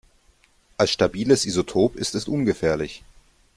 Als stabiles Isotop ist es ungefährlich.